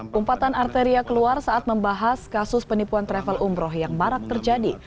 pumpatan arteria keluar saat membahas kasus penipuan travel umroh yang marak terjadi